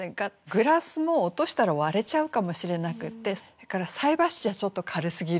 グラスも落としたら割れちゃうかもしれなくてそれから菜箸じゃちょっと軽すぎるよね。